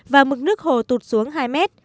và mực nước hồ tụt xuống hai mét